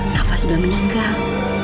nalva sudah meninggal